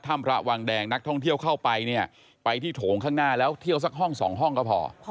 ถ้ำระวังแดงนักท่องเที่ยวเข้าไปเนี่ยไปที่โถงข้างหน้าแล้วเที่ยวสักห้องสองห้องก็พอ